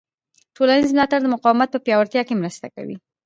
ټولنیز ملاتړ د مقاومت په پیاوړتیا کې مرسته کوي.